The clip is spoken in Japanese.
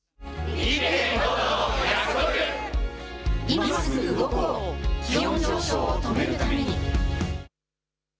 今すぐ動こう、気温上昇を止めるために。